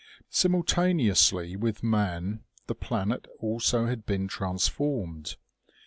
Simultaneously with man the planet also had been trans formed.